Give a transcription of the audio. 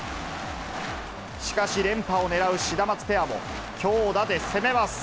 しかし、連覇を狙うシダマツペアも、強打で攻めます。